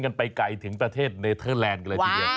กันไปไกลถึงประเทศเนธเทอร์แลนด์กันละที